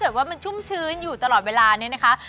แบบว่ามันชุ่มชื้นอยู่ตลอดเวลาเนี่ยนะคะ